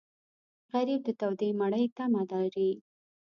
غریب د تودې مړۍ تمه لري